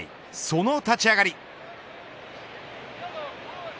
その立ち上がり。